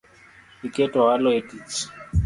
Iketo walo e tich